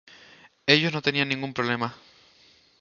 Ellos no tenían ningún problema.